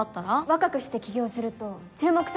若くして起業すると注目されるよね。